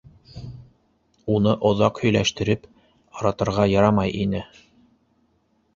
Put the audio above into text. Уны оҙаҡ һөйләштереп арытырға ярамай ине.